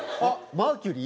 マーキュリー？